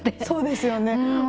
そうですよね。